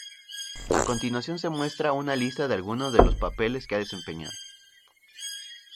A continuación se muestra una lista de algunas de los papeles que ha desempeñado.